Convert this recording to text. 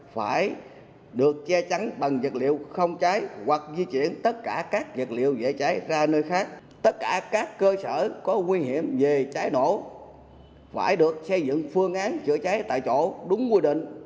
phải được xây dựng phương án chữa cháy tại chỗ đúng quy định